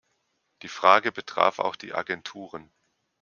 Die Frage betraf auch die Agenturen.